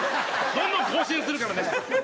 どんどん更新するからね。